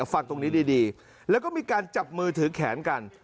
ฟังตรงนี้ดีแล้วก็มีการจับมือถือแขนกัน